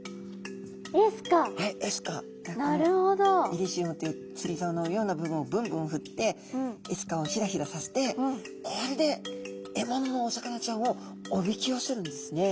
イリシウムっていう釣りざおのような部分をブンブンふってエスカをヒラヒラさせてこれで獲物のお魚ちゃんをおびき寄せるんですね。